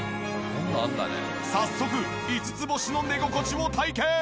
早速５つ星の寝心地を体験！